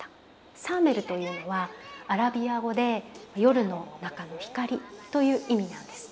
サーメルというのはアラビア語で「夜の中の光」という意味なんです。